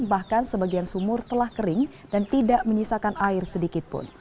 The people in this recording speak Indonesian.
bahkan sebagian sumur telah kering dan tidak menyisakan air sedikitpun